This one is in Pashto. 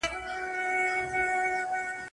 شاګرد د موضوع ليکني ولي لولي؟